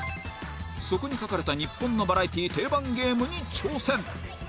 そこに書かれた日本のバラエティ定番ゲームに挑戦